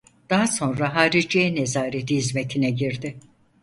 Daha sonra Hariciye Nezareti hizmetine girdi.